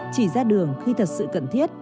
chỉ ra đường khi thật sự cần thiết